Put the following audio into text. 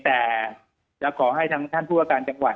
แต่จะขอให้ทางท่านผู้ว่าการจังหวัด